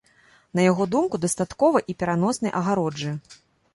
На яго думку, дастаткова і пераноснай агароджы.